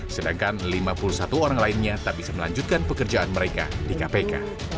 sedangkan lima puluh satu orang lainnya tak bisa melanjutkan pekerjaan mereka di kpk